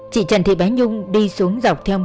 chị trần thị bá nhung đi xuống dọc theo mặt em